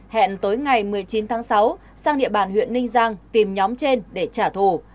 hẹn tối ngày một mươi chín tháng sáu sang địa bàn huyện ninh giang tìm nhóm trên để trả thù